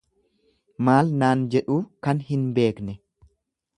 Maal naan jedhuu kan hin beekne.